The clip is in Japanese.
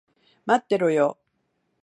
待ってろよ。